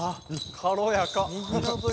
軽やか！